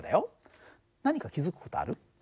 何か気付く事ある？